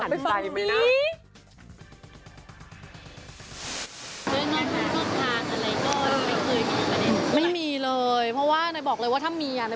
โดยนอกรู้นอกทางอะไรก็ไม่เคยมีประเด็นไม่มีเลยเพราะว่าเนยบอกเลยว่าถ้ามีอ่ะ